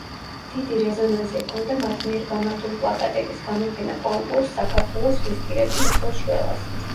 დიდი რეზონანსი ჰქონდა მათ მიერ გამართულ პლაკატების გამოფენა–კონკურს „საქართველოს ზღვისპირეთი ითხოვს შველას“.